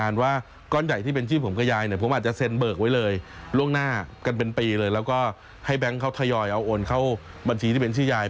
ร่วงหน้ากันเป็นปีแล้วก็ให้แบงก์เขาทรยอยเอาโอนเข้าบัญชีที่เป็นชื่อยาย